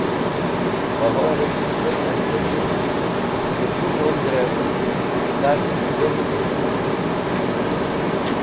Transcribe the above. Bẽhorẽs̃h cẽ kũrnẽn tẽrmis dẽ kũ wundrẽv dhartẽ dũmvitẽ.